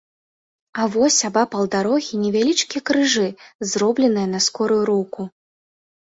А вось абапал дарогі невялічкія крыжы, зробленыя на скорую руку.